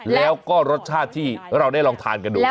แล้วก็รสชาติที่เราได้ลองทานกันดู